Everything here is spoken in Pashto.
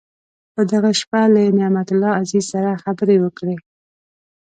په دغه شپه له نعمت الله عزیز سره خبرې وکړې.